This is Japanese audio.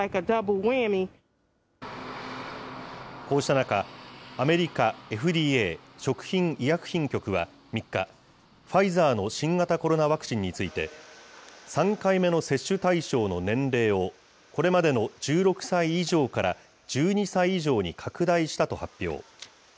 こうした中、アメリカＦＤＡ・食品医薬品局は、３日、ファイザーの新型コロナワクチンについて、３回目の接種対象の年齢を、これまでの１６歳以上から、１２歳以上に拡大したと発表。